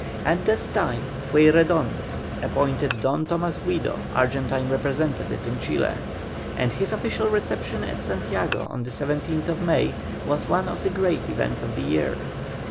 At this time Pueyrredon appointed Don Tomas Guido Argentine representative in Chile, and his official reception at Santiago on the 17th May was one of the great events of the year.